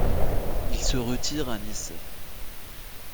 Il se retire à Nice.